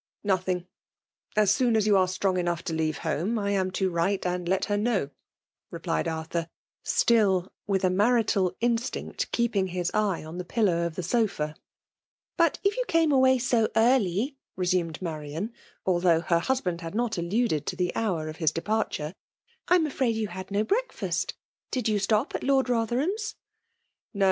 'Nothing : as soon as jou are strong eilough to leave home I am to write and let her kno^/' replied Arthur, still, with a marital instim^t, keeping his eye on the pillow of the s(^ ''But if you came away so eaflyi iresaHieA Marian, although her husband hadnotttQuded to the hour of his departure, " I am afraid you had no breakfast Did you atop «t \Lord Bdtherham*B ?*•'* JNo